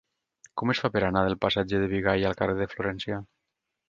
Com es fa per anar del passatge de Bigai al carrer de Florència?